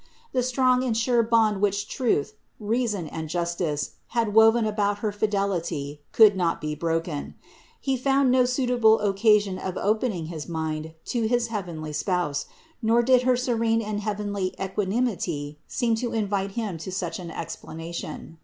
The strong and sure bond which truth, reason and justice had woven about her fidelity could not be broken. He found no suitable occasion of opening his mind to his heavenly Spouse, nor did her serene and heavenly equanimity seem to invite him to such an explanation.